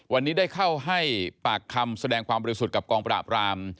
วันนี้ได้เข้าให้ปากคำแสดงความบริสุทธิ์กับกองปราบราม